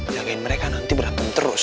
jagain mereka nanti berantem terus